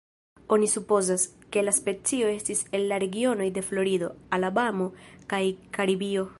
Oni supozas, ke la specio estis el la regionoj de Florido, Alabamo kaj Karibio.